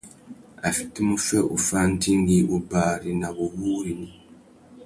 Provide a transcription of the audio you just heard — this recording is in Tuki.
A fitimú fê uffá andingui, wubari nà wuwúrrini.